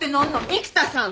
育田さん！